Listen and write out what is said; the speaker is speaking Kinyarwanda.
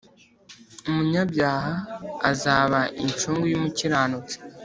Umunyabyaha azaba incungu y umukiranutsi